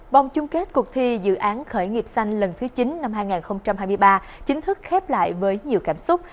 vòng chung kết cuộc thi dự án khởi nghiệp xanh lần thứ chín năm hai nghìn hai mươi ba chính thức khép lại với nhiều cảm xúc